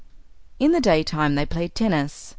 In the daytime they played tennis.